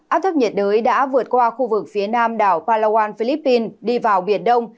áp thấp nhiệt đới đã vượt qua khu vực phía nam đảo palawan philippines đi vào biển đông